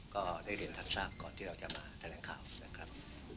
ก็ได้เรียนท่านทราบก่อนที่เราจะมาแถลงข่าวนะครับ